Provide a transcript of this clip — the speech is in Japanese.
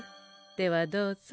ではどうぞ。